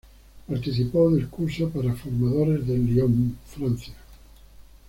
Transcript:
Participó del curso para formadores en Lyon, Francia.